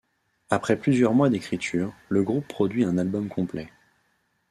Après plusieurs mois d'écriture, le groupe produit un album complet.